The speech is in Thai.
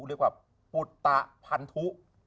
เรียกว่าปุตตะพันธุ